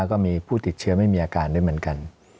แล้วก็มีผู้ติดเชื้อไม่มีอาการด้วยเหมือนกัน